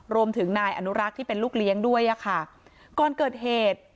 รวมถึงนายอนุรักษ์ที่เป็นลูกเลี้ยงด้วยอ่ะค่ะก่อนเกิดเหตุ